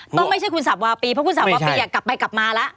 ต้องไม่ใช่คุณสัปดาห์ปีเพราะคุณสัปดาห์ปีกลับไปกลับมาละ